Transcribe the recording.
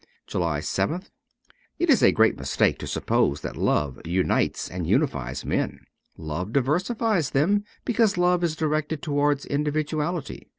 208 JULY 7th IT is a great mistake to suppose that love unites and unifies men. Love diversifies them, be cause love is directed towards individuality.